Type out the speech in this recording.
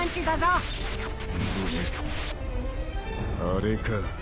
あれか。